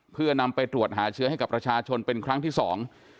เพื่อนำไปตรวจหาเชื้อให้กับประชาชนเป็นครั้งที่สอง